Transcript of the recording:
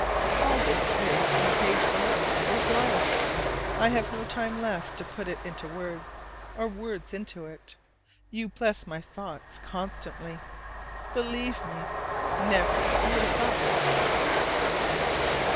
All this space on the page below is love. I have no time left to put it into words, or words into it. You bless my thoughts constantly. Believe me, never your thoughtless.